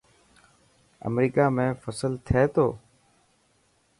امريڪا ۾ فصل ٿي ٿو؟